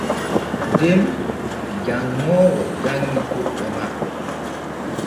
Den janŋoowo janŋi toɓɓe maɓɓe.